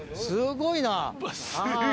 すごいな！